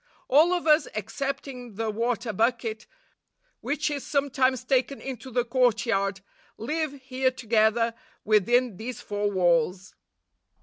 All of us, excepting the water bucket, which is sometimes taken into the courtyard, live here together within these four walls.